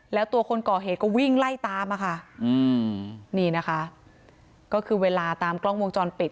แล้วตัวคนก่อเหตุก็วิ่งไล่ตามอะค่ะนี่นะคะก็คือเวลาตามกล้องวงจรปิด